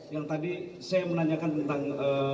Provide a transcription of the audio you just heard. yang tadi saya menanyakan tentang